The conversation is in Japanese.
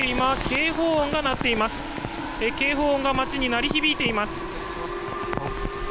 警報音が街に鳴り響いています。